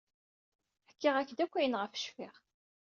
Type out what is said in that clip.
Ḥkiɣ-ak-d akk ayen ayɣef cfiɣ.